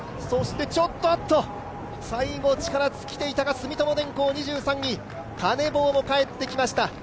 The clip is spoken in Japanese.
そしてちょっと最後、力尽きていたか住友電工、２３位、カネボウも帰ってきました。